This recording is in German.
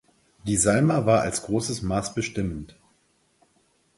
Die Salma war als großes Maß bestimmend.